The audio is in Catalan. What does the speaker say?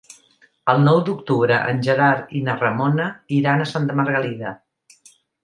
El nou d'octubre en Gerard i na Ramona iran a Santa Margalida.